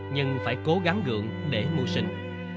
nhưng phải cố gắng gượng để mua xính